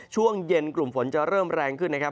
ช่วงเย็นกลุ่มฝนจะเริ่มแรงขึ้นนะครับ